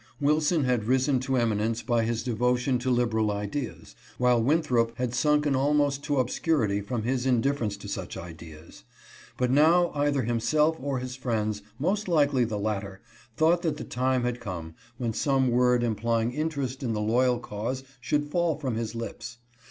Wilson had risen to eminence by his devotion to liberal ideas, while Win throp had sunken almost to obscurity from his indiffer ence to such ideas. But now either himself or his friends, most likely the latter, thought that the time had come when some word implying interest in the loyal cause should fall from his lips.